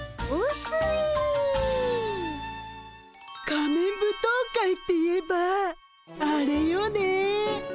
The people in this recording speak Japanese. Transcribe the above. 仮面舞踏会っていえばあれよね。